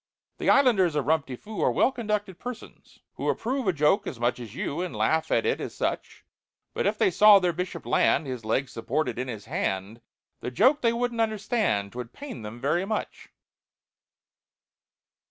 "The islanders of Rum ti Foo Are well conducted persons, who Approve a joke as much as you, And laugh at it as such; But if they saw their Bishop land, His leg supported in his hand, The joke they wouldn't understand— 'Twould pain them very much!"